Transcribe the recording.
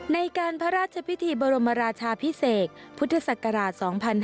ในการพระราชพิธีบรมราชาพิเศษพุทธศักราช๒๕๕๙